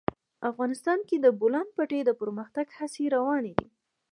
افغانستان کې د د بولان پټي د پرمختګ هڅې روانې دي.